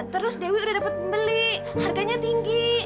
terus dewi udah dapet pembeli harganya tinggi